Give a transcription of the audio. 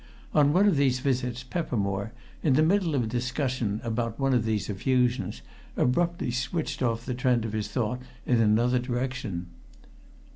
On one of these visits Peppermore, in the middle of a discussion about one of these effusions, abruptly switched off the trend of his thought in another direction.